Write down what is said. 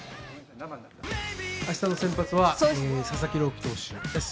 明日の先発は佐々木朗希投手です。